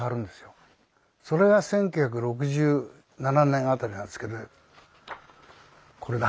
それが１９６７年辺りなんですけどこれだ。